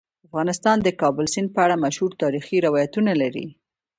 افغانستان د کابل سیند په اړه مشهور تاریخی روایتونه لري.